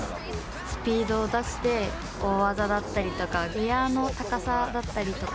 スピードを出して、大技だったりとか、エアの高さだったりとか。